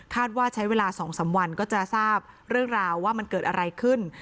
ว่าใช้เวลา๒๓วันก็จะทราบเรื่องราวว่ามันเกิดอะไรขึ้น